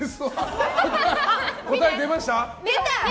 答え出ました？